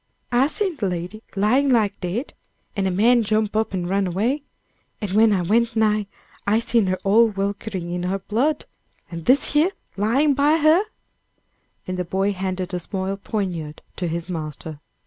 "I seen de lady lying like dead, and a man jump up and run away, and when I went nigh, I seen her all welkering in her blood, an' dis yer lying by her," and the boy handed a small poignard to his master.